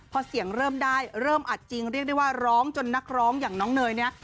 พอเสียงเริ่มได้เริ่มอัดจริงเรียกได้ว่าร้องจนนักร้องอย่างน้องเนยเนี่ย